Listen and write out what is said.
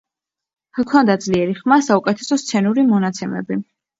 ჰქონდა ძლიერი ხმა, საუკეთესო სცენური მონაცემები.